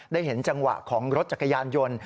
ได้เห็นจังหวะของรถจักรยานยนต์